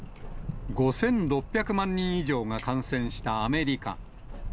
５６００万人以上が感染したアメリカ。